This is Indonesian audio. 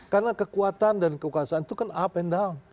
karena kekuatan dan kekuasaan itu kan up and down